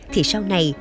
thì sau này